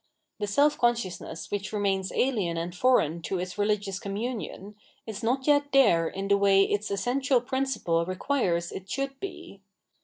The self consciousness which re mains ahen and foreign to its rehgious communion, is not yet there in the way its essential principle re quires it should be.